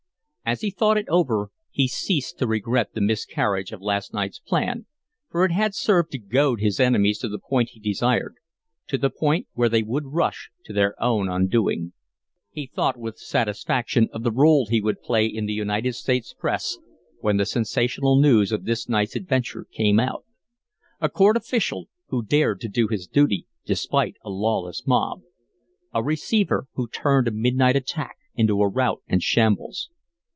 As he thought it over he ceased to regret the miscarriage of last night's plan, for it had served to goad his enemies to the point he desired, to the point where they would rush to their own undoing. He thought with satisfaction of the role he would play in the United States press when the sensational news of this night's adventure came out. A court official who dared to do his duty despite a lawless mob. A receiver who turned a midnight attack into a rout and shambles.